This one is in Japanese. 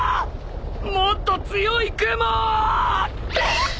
もっと強い雲！